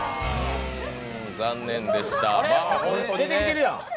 残念でした。